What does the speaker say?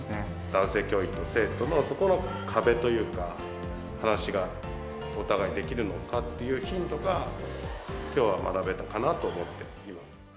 男性教員と生徒の、そこの壁というか、話がお互いできるのかっていうヒントが、きょうは学べたかなと思っています。